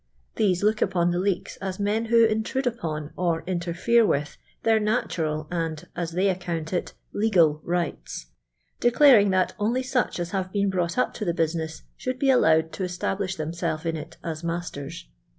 These look upon the leeks as men v.ho intrude upon, or interfere with, liieir natural and, as they account it, legal rights —declaring that only such as have been brought up to tiie buMuess should be allowed to estiiblish themselves in it as masters.